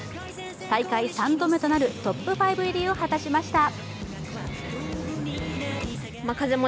大会３度目となるトップ５入りを果たしました。